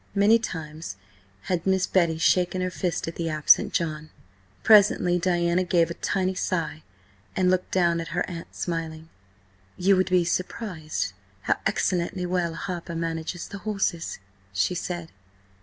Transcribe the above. Many times had Miss Betty shaken her fist at the absent John. Presently Diana gave a tiny sigh, and looked down at her aunt, smiling. "You would be surprised how excellently well Harper manages the horses," she said.